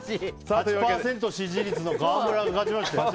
８％支持率の川村が勝ちましたよ。